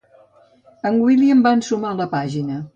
En William va ensumar la pàgina.